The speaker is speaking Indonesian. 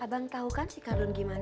abang tau kan si ardun gimana